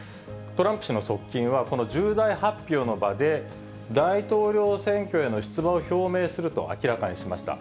トランプ氏の側近は、この重大発表の場で、大統領選挙への出馬を表明すると明らかにしました。